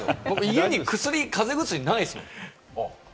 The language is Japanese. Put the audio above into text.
僕、家に風邪薬ないですもん。